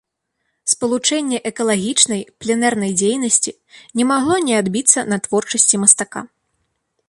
Спалучэнне экалагічнай, пленэрнай дзейнасці не магло не адбіцца на творчасці мастака.